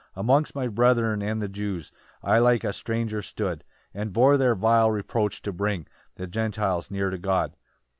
8 "Amongst my brethren and the Jews "I like a stranger stood, "And bore their vile reproach to bring "The Gentiles near to God.